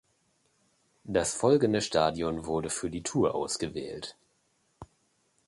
Das folgende Stadion wurde für die Tour ausgewählt.